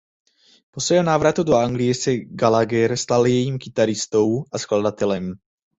Po svém návratu do Anglie se Gallagher stal jejím kytaristou a skladatelem.